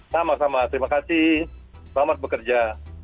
sama sama terima kasih selamat bekerja